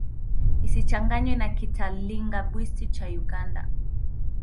Isichanganywe na Kitalinga-Bwisi cha Uganda.